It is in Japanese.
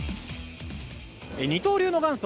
二刀流の元祖